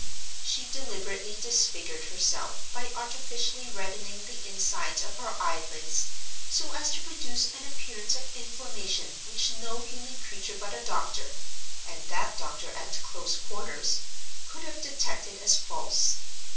She deliberately disfigured herself by artificially reddening the insides of her eyelids so as to produce an appearance of inflammation which no human creature but a doctor—and that doctor at close quarters—could have detected as false.